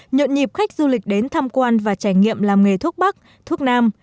nhộn nhịp khách du lịch đến tham quan và trải nghiệm làm nghề thuốc bắc thuốc nam